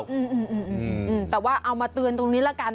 อืมแต่ว่าเอามาเตือนตรงนี้ละกัน